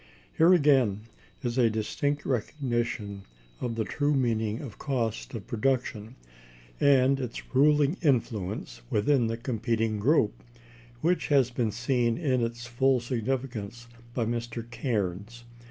Here, again, is a distinct recognition of the true meaning of cost of production, and its ruling influence within a competing group, which has been seen in its full significance by Mr. Cairnes.